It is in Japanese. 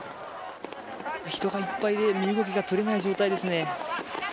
人がいっぱいで身動きができない状態ですね。